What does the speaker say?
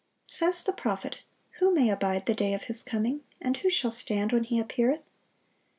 Says the prophet: "Who may abide the day of His coming? and who shall stand when He appeareth?